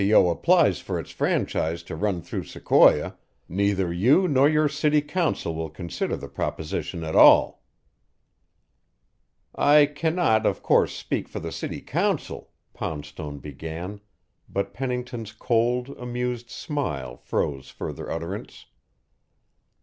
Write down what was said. O. applies for its franchise to run through Sequoia, neither you nor your city council will consider the proposition at all." "I cannot, of course, speak for the city council " Poundstone began, but Pennington's cold, amused smile froze further utterance.